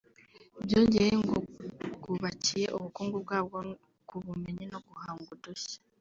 Byongeye ngo bwubakiye ubukungu bwabwo ku bumenyi no guhanga udushya